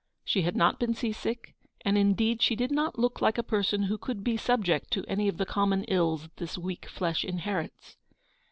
She had not been sea sick ; and indeed she did not look like a person who could be subject to any of the common ills this weak flesh inherits.